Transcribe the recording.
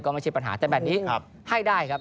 ไม่ใช่ปัญหาแต่แบบนี้ให้ได้ครับ